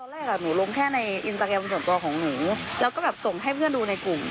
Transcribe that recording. แรกหนูลงแค่ในอินสตาแกรมส่วนตัวของหนูแล้วก็แบบส่งให้เพื่อนดูในกลุ่ม